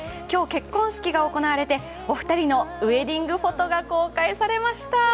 今日結婚式が行われてお二人のウェディングフォトが公開されました。